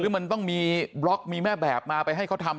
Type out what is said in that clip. มันต้องมีบล็อกมีแม่แบบมาไปให้เขาทำ